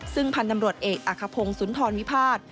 ซึ่งพันธ์ตำรวจเอกอักภงสุนทรวิพาท